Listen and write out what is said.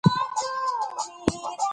موږ بايد له نورو ژبو سره اړيکې ولرو.